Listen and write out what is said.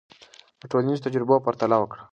د ټولنیزو تجربو پرتله وکړه.